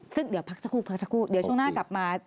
ซึ่งเดี๋ยวพักสักครู่เดี๋ยวช่วงหน้ากลับมา